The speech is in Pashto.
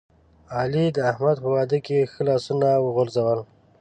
علی د احمد په واده کې ښه لاسونه وغورځول.